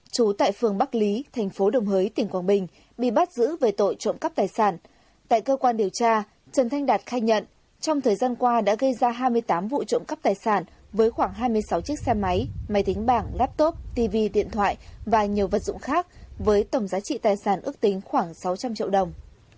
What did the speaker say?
công an tp đồng hới tp quảng bình vừa phá thành công chuyên án bắt giữ đối tượng gây ra hai mươi tám vụ trộm cắp tài sản trên địa bàn tp đồng hới với tầm giá trị tài sản ước tính khoảng sáu trăm linh triệu đồng